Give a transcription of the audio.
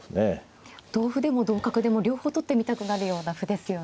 同歩でも同角でも両方取ってみたくなるような歩ですよね。